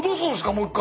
もう一回。